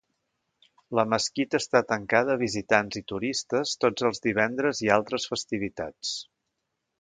La mesquita està tancada a visitants i turistes tots els divendres i altres festivitats.